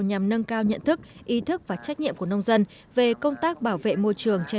nhằm nâng cao nhận thức ý thức và trách nhiệm của nông dân về công tác bảo vệ môi trường trên